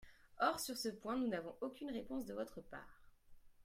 Or sur ce point nous n’avons aucune réponse de votre part.